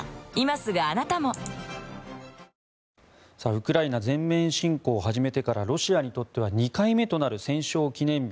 ウクライナ全面侵攻を始めてからロシアにとっては２回目となる戦勝記念日。